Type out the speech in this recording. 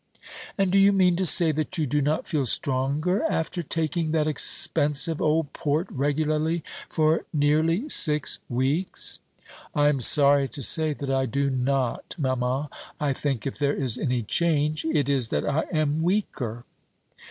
"And do you mean to say that you do not feel stronger after taking that expensive old port regularly for nearly six weeks. "I am sorry to say that I do not, mamma. I think if there is any change, it is that I am weaker."